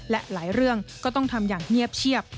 และหลายเรื่องก็ต้องทำอย่างเงียบเชียบ